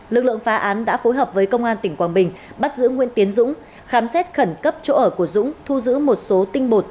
lực lượng phá án đã phối hợp với công an tỉnh quảng bình bắt giữ nguyễn tiến dũng khám xét khẩn cấp chỗ ở của dũng thu giữ một số tinh bột